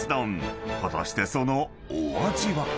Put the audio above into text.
［果たしてそのお味は？］